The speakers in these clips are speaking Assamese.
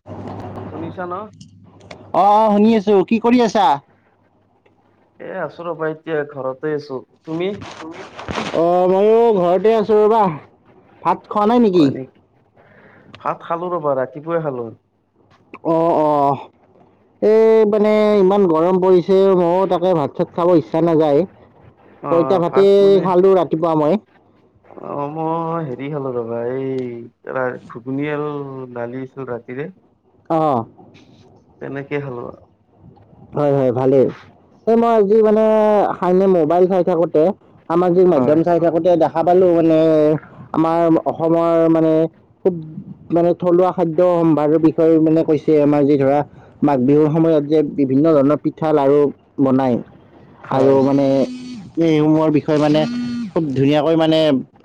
[inaudible] শুনিছা ন। অ অ শুনি আছো কি কৰি আছা। এ আছো ৰ'বা এতিয়া ঘৰতে আছো তুমি। অ মইও ঘৰতে আছো ৰ'বা ভাত খোৱা নাই নেকি ভাত খালো ৰ'বা ৰাতিপুৱাই খালো। অ অ এ মানে ইমান গৰম পৰিছে মও তাকে ভাত-চাত খাব ইচ্ছা নাযায়। অ পইতা ভাতে ভাত খালো ৰাতিপুৱা মই। অঁ, মই হেৰি খালো ৰ'বা! এই আ ঘুগুনি আৰু দালি আছিল ৰাতিৰে অঁ। তেনেকেই খালো আৰু। হয়, হয় ভালেই। এ মই আজি মানে খাই এনেই ম'বাইল চাই থাকোতে, সামাজিক হয় মাধ্যম চাই থাকোতে দেখা পালোঁ মানে আমাৰ অসমৰ মানে খুব মানে থলুৱা খাদ্য সম্ভাৰৰ বিষয়ে মানে কৈছে। আমাৰ যি ধৰা মাঘ বিহুৰ সময়ত যে বিভিন্ন ধৰণৰ পিঠা, লাডু বনায় আৰু হয় মানে আমি এইসমূহৰ বিষয়ে মানে, খুব ধুনীয়াকৈ মানে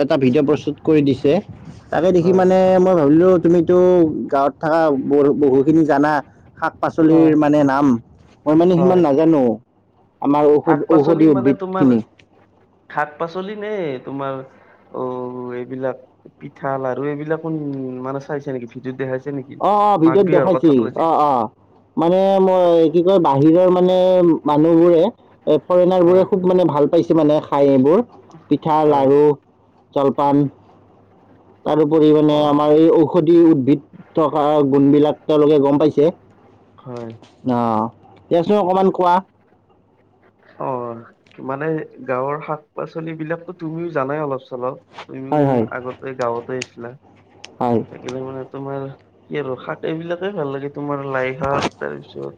এটা ভিডিঅ' প্ৰস্তুত কৰি দিছে। তাকে দেখি হয় মানে মই ভাবিলোঁ তুমিতো গাঁৱত থকা বহু--বহুখিনি জানা। হয় শাক-পাচলিৰ মানে নাম। মই মানে সিমান হয়। নাজানোঁ। আমাৰ ঔষধ, ঔষধিৰ উদ্ভিদ খিনি। শাক-পাচলি নে তোমাৰ অ' এইবিলাক পিঠা, লাৰু এইবিলাকো উম, মানে চাইছে নেকি? ভিডিঅ'ত দেখাইছে নেকি? অঁ, অঁ মাঘ ভিডিঅ'ত বিহুৰ কথা দেখাইছিল। ক'লে যে অঁ, অঁ। মানে মই কি কয়? বাহিৰৰ মানে মানুহবোৰে এ ফৰেনাৰ বোৰে হয় খুব মানে ভাল পাইছে মানে খাই এইবোৰ পিঠা, হয় লাডু জলপান তাৰোপৰি মানে, অ আমাৰ এই ঔষধি উদ্ভিদ থকা গুণবিলাক তেওঁলোকে গম পাইছে। হয়। অঁ, দিয়াচোন অকণমান কোৱা? অ', মানে গাঁৱৰ শাক-পাচলি বিলাকটো তুমিও জানাই অলপ-চলপ। হয় তুমিও হয় আগ তে গাঁৱতে আছিলা। হয়। থাকিলে মানে তোমাৰ, এই ৰসাতে এইবিলাকে ভাল লাগে। তোমাৰ লাই শাক তাৰপিছত,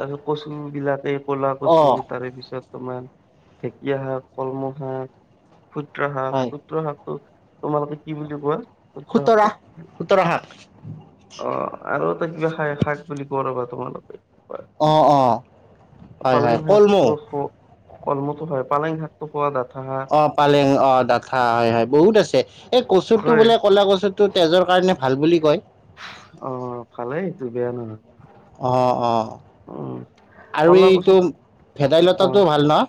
তাৰপিছত কচু বিলাতী, ক'লা অঁ কচু তাৰেপিছত তোমাৰ ঢেকীয়া শাক, কলমৌ শাক, খুতুৰা শাক, হয় খুতুৰা শাকটো তোমালোকে কি বুলি কোৱা? খুতৰা, খুতৰা শাক! অঁ, আৰু এটা কিবা খাই, শাক বুলি কয় ৰ'বা তোমালোকে! অঁ, অঁ। হয় হয় পালেং শাক, কলমৌ অহ্ হ কলমৌটো হয়, পালেং শাকটো পুৰা ডাঠা শাক। অঁ, পালেং অঁ, ডাঠা হয় হয় বহুত আছে। এই কচুটো হয়। বোলে ক'লা কচ টো তেজৰ কাৰণে ভাল বুলি কয়। অ ভালেই সেইটো বেয়া নহয়। অঁ, অঁ উম আৰু কলা এইটো কচুটো ক ভেদাইলতাটো ভাল ন'?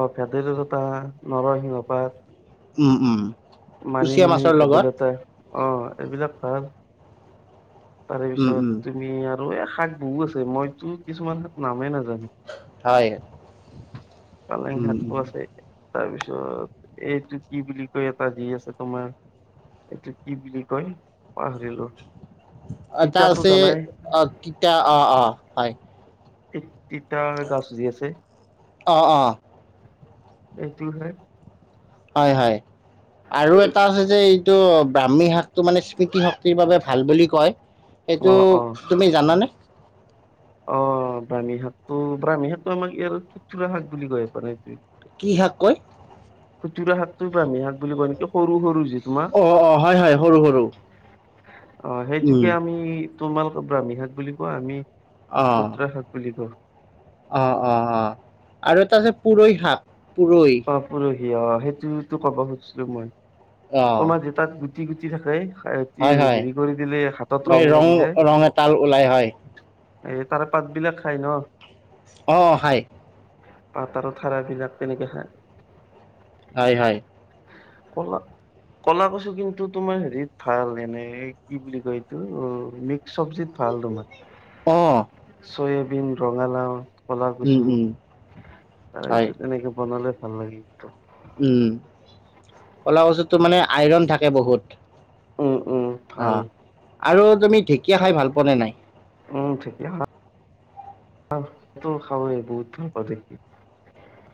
অ' ভেদাইলতা, নৰসিংহ পাত। উম, উম। কুচিয়া মানিমুনি, মাছৰ লগত ভেদাইলতা অঁ, এইবিলাক ভাল। উম উম তাৰেপিছত তুমি আৰু এ শাক বহু আছে। মইতো কিছুমান শাক নামেই নাজানোঁ। হয়। পালেং উম শাক উম টো আছে। তাৰপিছত এইটো কি বুলি কয় এটা যি আছে তোমাৰ। এইটো কি, বুলি কয় পাহৰিলোঁ। এটা আছে অ' অ' অ' হয়। এই তিতা গাছ জি আছে অ' অ' এইটোয়েই হয়। হয় হয় আৰু এটা আছে। যে, এইটো ব্ৰাহ্মী শাকটো মানে স্মৃতি শক্তিৰ বাবে ভাল বুলি কয় এইটো, অ অ তুমি জানানে অ' ব্ৰাহ্মী শাকো ব্ৰাহ্মী শাকটো আমাক ইয়াৰ খুতৰা শাক বুলি কয় এইপানে। কি শাক কয়। খুতুৰা শাকটোৱে ব্ৰাহ্মী শাক বুলি কয় ন, সৰু সৰু যে তোমাৰ। অ অ হয় হয় সৰু সৰু অ' উম সেইটোকে আমি, তোমালোকে ব্ৰাহ্মী শাক বুলি কোৱা। আমি অ খুটোৰা শাক, বুলি কয় অ', অ', অ', আৰু এটা আছে পুৰৈ শাক পুৰৈ। পৰহি অঁ সেইটোতো ক'ব খুজিছিলো মই অ তোমাৰ তাত গুটি গুটি থাকে হয় হয় হেৰি কৰি দিলে হাতত মানে ৰং লাগি ৰং এডাল ওলাই হয় যায়। এই তাৰে পাত বিলাক খাই ন। অ', খাই। পাটাৰো ধাৰ বিলাক তেনেকে খাই। হয়' হয়। হল। কলা কছু কিন্তু তোমাৰ হেৰিত ভাল এনে কি বুলি কয় এইটো চব্জিত ভাল তোমাৰ অ চয়াবিন ৰঙালাও। কলা উম কচু উম হয় তাৰপিছত এনেকে বনালে ভাল লাগে কিন্তু। উম' কলা কচু টোত মানে আইৰণ থাকে বহুত। উম, উম, ভাল অ', আৰু তুমি ঢেঁকীয়া খাই ভাল পোৱা নে নাই। উম ঢেঁকীয়া শাক টো খাব বহুত ভাল পাওঁ দে।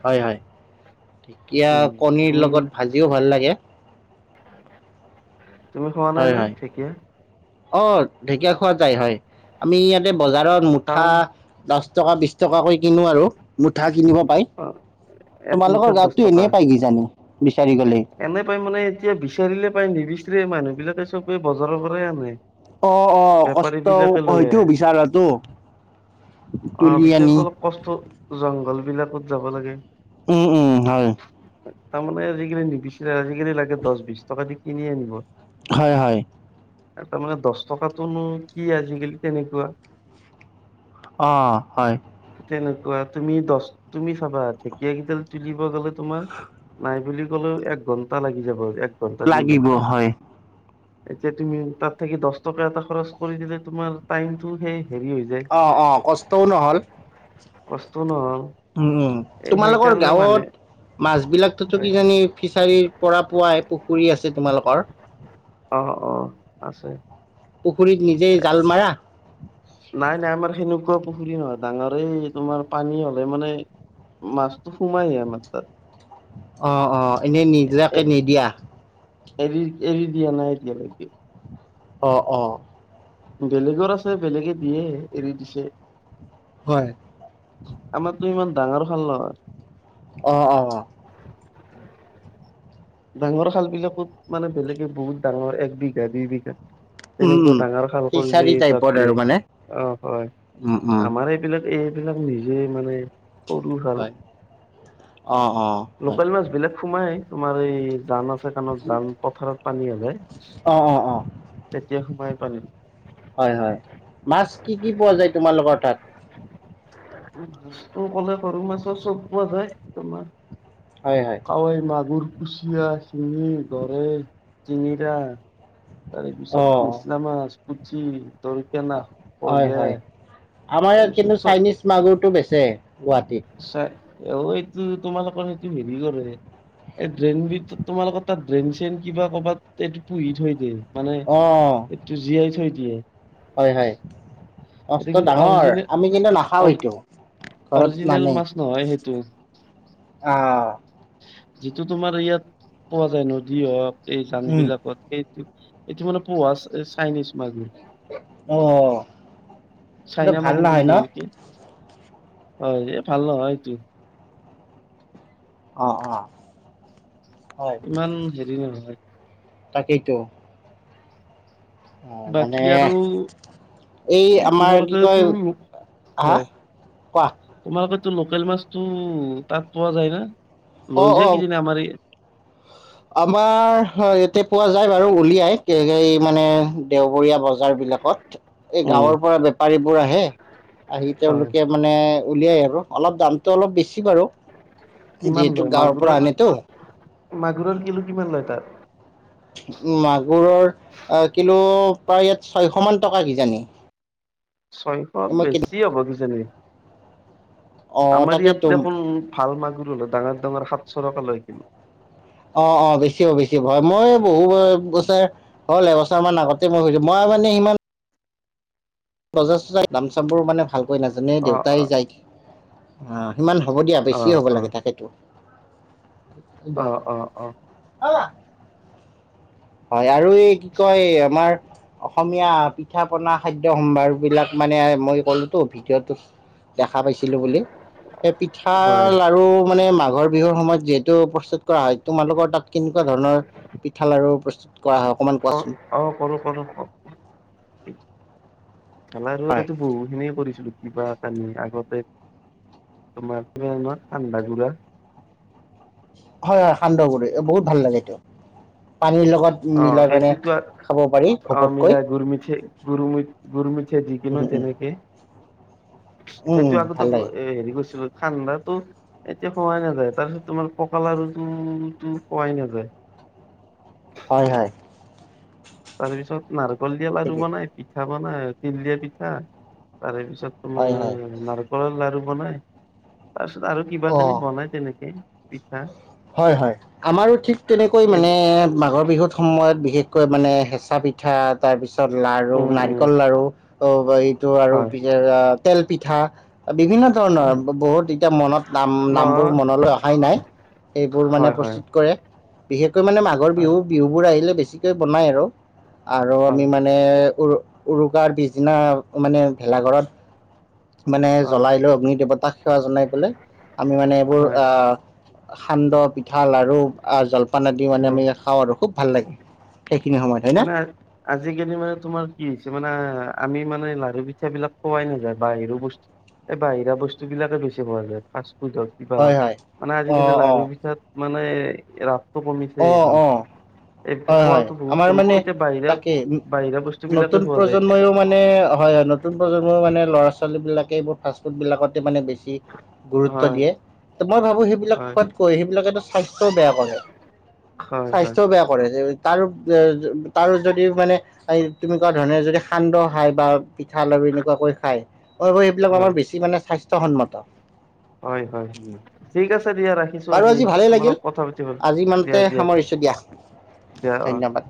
হয়' হয' ঢেঁকীয়া উম, কণীৰ তুমি লগত ভাজিও ভাল লাগে। তুমি খোৱা নাই হয় নাই হয়। ঢেকীয়া। অ', ঢেকীয়া খোৱা যায় হয় আমি ইয়াতে বজাৰত মুঠা টাউন দচ টকা বিশ টকাকৈ কিনো আৰু মুঠা কিনিব পাই। অ এক তোমালোকৰ মুঠাত গাৱত দহ তো টকা এনেই পাই কি জানো বিচাৰি গলে। এনে পাই মানে এতিয়া বিচাৰিলে পায় নিবিচাৰে মানুহ বিলাকে চবে বজাৰৰ কৰে আনে। অ', অ', বেপাৰী কষ্ট বিলাকে লৈ হয়তো আহে বিচাৰটো। অ', তুলি আনি। বিচাৰোতে অলপ কষ্ট জংঘল বিলাকত যাব লাগে। উম' উম' হয়। তাৰমানে আজিকালি নিবিচাৰে আজিকালি লাগে দহ বিশ টকা দি কিনি আনিব। হয়' হয়। তাৰমানে দহ টকাতোনো কি আজিকালি তেনেকুৱা। অ', হয়। তেনেকুৱা তুমি দহ তুমি চাবা ঢেকীয়া কেইডাল তুলিব গ'লে তোমাৰ। নাই বুলি কলেও এক ঘণ্টা লাগি যাব এক ঘণ্টা দুই লাগিব ঘণ্টা। হয়। এতিয়া তুমি তাত থাকি দহ টকা এটা খৰচ কৰি দিলে তোমাৰ টাইমতটো সেই হেৰি হৈ যায়। অ', অ', কষ্টও নহ'ল। কষ্ট নহ'ল। উম, এই তোমালোকৰ সেইকাৰণে মানে গাঁৱত মাছ বিলাকটোতো কিজানি ফিচাৰী পৰা পুৱাহে পুখুৰী আছে তোমালোকৰ। অ', অ', আছে। পুখুৰীত নিজেই জাল মাৰা? নাই নাই আমাৰ সেনেকুৱা পুখুৰী নহয়, ডাঙৰে এই তোমাৰ পানী হ'লে মানে মাছটো সোমাই যায় আমাৰ তাত। অ', অ', এনে এ নিজাকে নিদিয়া? এৰি এৰি দিয়া নাই এতিয়ালৈকে। অ', অ'। বেলেগৰ আছে বেলেগে দিয়ে এৰি দিছে। হয়। আমাৰতো ইমান ডাঙৰ খাল নহয়। অ', অ', অ'। ডাঙৰ খাল বিলাকত মানে বেলেগে বহুত ডাঙৰ এক বিঘা দুই বিঘা উম তেনেকুৱা উম ডাঙৰ খাল কৰিলে ফিচাৰী তাত টাইপত দিয়ে আৰু মানে অ', হয়, উম উম আমাৰ এইবিলাক এইবিলাক নিজে মানে সৰু খাল, হয় অ অ হয় লোকেল মাছ বিলাক সোমাই তোমাৰ এই জান আছে কাণত জান পথাৰত পানী হৈ যায়। অ অ অ তেতিয়া সোমাই পানী। হয়, হয়, মাছ কি কি পোৱা যায় তোমালোকৰ তাত? মাছটো ক'লে সৰু মাছৰ চব পোৱা যায় তোমাৰ। হয় হয় কাঐ, মাগুৰ কুচিয়া, শিঙি, গৰে, তিঙিৰা। তাৰে অ পিছত নিচনা মাছ, পুঠি, দৰিকনা, হয় শৈলে। হয় আমাৰ ইয়াত কিন্তু চাইনিজ মাগুৰটো বেচে গুৱাহাটীত। চই অ', এইটো তোমালোকৰ হেতু হেৰি কৰে। এই ড্ৰেইন বিত তোমালোকৰ তাত ড্ৰেইন চেইন কিবা কৰ'বাত এইটো পুহি থৈ দিয়ে। মানে অ এইটো জীয়াই থৈ দিয়ে। হয়, হয়, এইটো মষ্ট কিন্তু ডাঙৰ অৰিজিনেল আমি কিন্তু নাখাও এইটো। ঘৰত অৰিজিনেল নানে মাছ নহয় সেইটো আহ। যিটো তোমাৰ ইয়াত পোৱা যায়, নদী হওক এই জান উম বিলাকত সেই এইটো মানে পোহা চাইনিজ মাগুৰ। অ কিন্তু চাইনা ভাল মাগুৰ নহয় বুলি ন কয় নেকি? হয়, এই ভাল নহয় এইটো। অ', অ'। হয় ইমান হেৰি নহয়। তাকেইতো। অ মানে বাকী আৰু এই কি আমাৰ কি তোমালোকেটো কয় হা হয় কোৱা তোমালোকেতো লোকেল মাছটো তাত পোৱা যায় না? লৈ অ', যায় অ', কিজানি আমাৰ এই আমাৰ ইয়াতে পোৱা যায় বাৰু উলিয়াই। এই মানে দেওবৰীয়া বজাৰ বিলাকত। এই, উম, গাঁৱৰ পৰা বেপাৰীবোৰ আহে, আহি হয় তেওঁলোকে, মানে, উলিয়াই আৰু অলপ, দামটো অলপ বেছি বাৰু। যিহে [unintelligible] মাগুৰৰ, মাগুৰৰ কিলো কিমান লয় তাত? মাগুৰৰ কিলো, প্ৰায় ইয়াত ছয়শ মান টকা কিজানি! ছয়শ, মই কি বেছি হ'ব দিছে নেকি? অঁ আমাৰ তাকেতো ইয়াত দেখোন, ভাল মাগুৰ হ'লে, ডাঙৰ- ডাঙৰ সাতশ টকা লয়, কিলো। অ' অ'! বেচিব-বেচিব হয়, মই বহু বছৰ হ'ল এবছৰ মান আগতে, মই বুজিলোঁ। মই মানে, সিমান বজাৰ-চজাৰ, নাম-চামবোৰ মানে, ভালকৈ নাজানোঁৱে, অ অ দেউতাই যায়। অ'! সিমান হ'ব দিয়া, অ বেছিয়ে হ'ব অ লাগে। তাকেতো! অ অ অ [unintelligible] অ'! হয় আৰু এই, কি কয়? আমাৰ, অসমীয়া পিঠা- পনা খা খাদ্য সম্ভাৰ বিলাক মানে, মই ক'লোতো, ভিডিঅ'টোত দেখা পাইছিলোঁ বুলি। এ, পিঠা হয় লাৰু মানে, মাঘৰ বিহুৰ সময়ত যিহেতু, প্ৰস্তুত কৰা হয়। তোমালোকৰ তাত, কেনেকুৱা ধৰণৰ, পিঠা-লাৰু প্ৰস্তুত কৰা হয়, অকমান কোৱাচোন? অ'! কৰোঁ, কৰোঁ। [unintelligible] আমাৰতো হয় এইটোতো বহু খিনিয়ে কৰিছিলোঁ। কিবা এটা, আগতে, তোমাৰ [unintelligible] হয়, হয়! সান্দহ গুৰি, বহুত ভাল লাগে, সেইটো! পানীৰ লগত অ মিলাই মানে, সেইটোতো খাব পাৰি অ ঘপককৈ। মিলাই গুৰ, মিঠে [unintelligible] গুৰ মিঠে যিকিনো উম উম তেনেকে, উম উম সেইটো আগতে ভাল লাগে সেৰি কৰিছিলোঁ। সান্দহটো, এতিয়া খোৱাই নাযায়। তাৰ পিছত, তোমাৰ পকা লাৰুটো, টো খোৱাই নাযায়। হয়, হয়! তাৰ পিছত, নাৰিকল দিয়া লাৰু ঠিকেই বনাই, পিঠা বনাই, তিল দিয়া পিঠা। তাৰে পিছত, হয়, হয়! তোমাৰ [unintelligible] লাৰু বনাই। তাৰপিছত আৰু কিবা এখিনি অঁ বনাই, তেনেকে পিঠা। হয়, হয়! আমাৰো ঠিক, তেনেকৈ এই মানে, মাঘৰ বিহুত সময়ত, বিশেষকৈ মানে, হেঁচা পিঠা, তাৰপিছত লাৰু, উম উম নাৰিকল লাৰু। অ'! এইটো আৰু হয় [unintelligible] তেল পিঠা, বিভিন্ন হয় ধৰণৰ, বহুত এতিয়া মনত নাম, নামবোৰ নহয় মনলৈ অহাই নাই। এইবোৰ মানে, হয় প্ৰস্তুত কৰে। বিশেষকৈ মানে, মাঘৰ বিহু, হয় বিহুবোৰ আহিলে, বেছিকে বনাই আৰু। আৰু আমি হয় হয় মানে, উৰু উৰুকাৰ পিছদিনা মানে, ভেলাঘৰত মানে, হয় জ্বলাই লৈ অগ্নি দেৱতাক সেৱা জনাই পেলে, আমি মানে, এইবোৰ হয় আঁ সান্দহ, পিঠা, লাৰু আঁ জলপান আদি মানে, হয় আমি খাওঁ আৰু খুব ভাল লাগে! সেইখিনি সময়তে। মানে, আজিকালি মানে, তোমাৰ কি হৈছে মানে, আমি মানে, লাৰু পিঠা বিলাক খোৱাই নাযায়। বাহিৰ বস্তু এই, বাহিৰা বস্তু বিলাকে বেছি ভাল লাগে, ফাষ্ট- ফুড হওঁক, কিবা হয় হওঁক। হয় মানে, অ আজিকালি অ লাৰু পিঠাত মানে, ৰাপটো কমিছে, অ মানে। অ এইতো হয় হয় খোৱাটো বহুত আমাৰ কমিছে। মানে এতিয়া বাহিৰা, তাকে ন- বাহিৰা বস্তু নতুন বিলাকে খোৱা যায়, এতিয়া। প্ৰজন্মইও মানে, হয়! নতুন প্ৰজন্মৰ মানে, ল'ৰা-ছোৱালী বিলাকে, এইবোৰ ফাষ্ট-ফুড বিলাকতে মানে, বেছি গুৰুত্ব হয় দিয়ে। ত' মই ভাবোঁ! সেইবিলাক হয় খোৱাতকৈ, সেইবিলাকে ত' স্বাস্থ্যও বেয়া কৰে। হয় হয় স্বাস্থ্যও বেয়া কৰে, তাৰো তাৰো যদি মানে- এই তুমি কোৱা ধৰণে যদি সান্দহ খায় বা- পিঠা লাৰু এনেকুৱাকৈ খাই, অ ঐ এইবিলাক হয় আমাৰ বেছি মানে স্বাস্থ্যসন্মত। হয় হয়। ঠিক আছে দিয়া ৰাখিছো বাৰু আজি, ভালেই লাগিল তোমালগত কথা পাতি হ'ল আজি ইমানতে দিয়া দিয়া। সামৰিছোঁ দিয়া দিয়া অ ধন্যবাদ।